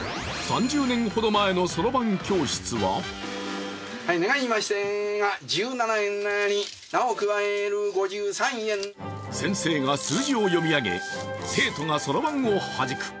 ３０年ほど前のそろばん教室は先生が数字を読み上げ生徒がそろばんをはじく。